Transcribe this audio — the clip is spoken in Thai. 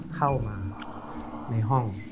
เข้ามาในห้อง